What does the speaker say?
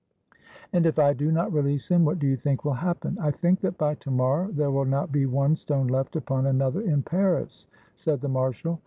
"And if I do not release him, what do you think will happen?" "I think that by to morrow there will not be one stone left upon another in Paris," said the marshal.